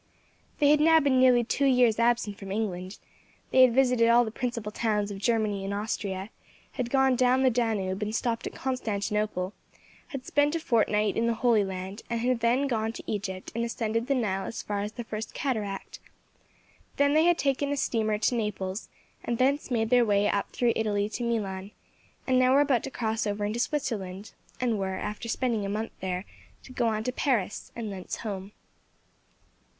They had now been nearly two years absent from England; they had visited all the principal towns of Germany and Austria, had gone down the Danube and stopped at Constantinople, had spent a fortnight in the Holy Land, and had then gone to Egypt and ascended the Nile as far as the First Cataract, then they had taken a steamer to Naples, and thence made their way up through Italy to Milan, and now were about to cross over into Switzerland, and were, after spending a month there, to go on to Paris, and thence home.